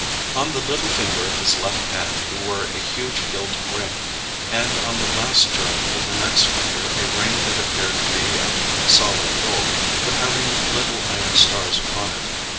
On the little finger of his left hand he wore a huge gilt ring, and on the last joint of the next finger a ring that appeared to be of solid gold, but having little iron stars upon it.